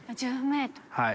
はい。